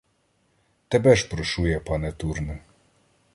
Тебе ж прошу я, пане Турне!